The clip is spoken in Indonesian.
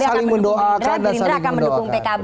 saling mendoakan gerindra akan mendukung pkb